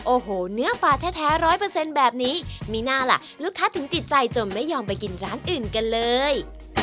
โอ้โหเนื้อปลาแท้๑๐๐แบบนี้มีหน้าล่ะลูกค้าถึงติดใจจนไม่ยอมไปกินร้านอื่นกันเลย